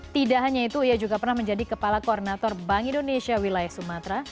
tidak hanya itu ia juga pernah menjadi kepala koordinator bank indonesia wilayah sumatera